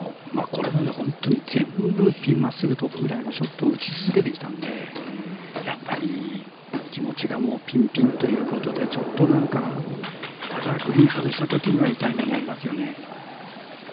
これまで本当に全部ピンそばにつくショットをどんどん打ってきたのでやっぱり気持ちがピンピンということでちょっと、ただ、グリーン外したときには痛い目に遭いますよね。